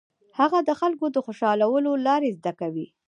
هغه د خلکو د خوشالولو لارې زده کوي.